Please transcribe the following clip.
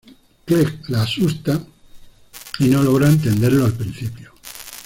Clegg la asusta, y no logra entenderlo al principio.